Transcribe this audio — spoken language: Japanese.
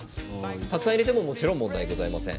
たくさん入れても問題ございません。